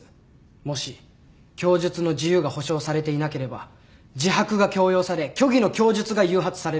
もし供述の自由が保障されていなければ自白が強要され虚偽の供述が誘発されるのです。